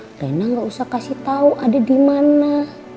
mungkin rena nggak usah kasih tau ada di mana